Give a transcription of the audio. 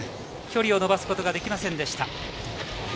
距離を伸ばすことはできませんでした。